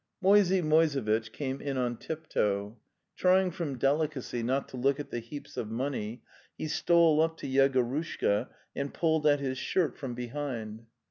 ..." Moisey Moisevitch came in on tiptoe. Trying from delicacy not to look at the heaps of money, he stole up to Yegorushka and pulled at his shirt from behind.